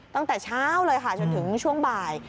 ตั้งแต่เช้าเลยค่ะจนถึงช่วงบ่าย